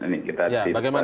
ini kita diperhatikan